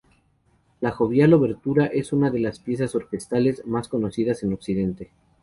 La jovial obertura es una de las piezas orquestales más conocidas en Occidente.